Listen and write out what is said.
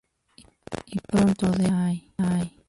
Y pronto, de hecho, la hay.